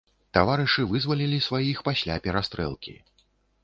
Таварышы вызвалілі сваіх пасля перастрэлкі.